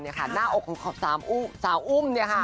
หน้าอกของสาวอุ้ม